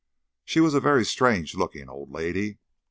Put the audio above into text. She was a very strange looking old lady.